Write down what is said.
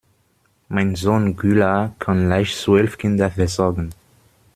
Mein Sohn Güllar kann leicht zwölf Kinder versorgen.